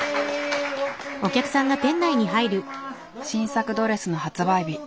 新作ドレスの発売日。